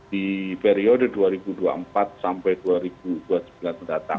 di periode dua ribu dua puluh empat sampai dua ribu dua puluh sembilan mendatang